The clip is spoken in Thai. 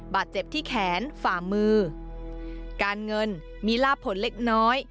บาดเจ็บที่แขนฝ่ามือการเงินมีลาบผลเล็กน้อย